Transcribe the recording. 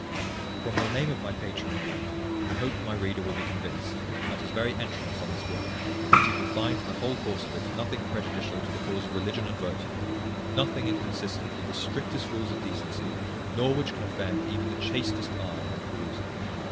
From the name of my patron, indeed, I hope my reader will be convinced, at his very entrance on this work, that he will find in the whole course of it nothing prejudicial to the cause of religion and virtue, nothing inconsistent with the strictest rules of decency, nor which can offend even the chastest eye in the perusal.